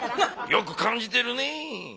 よく感じてるねぇ。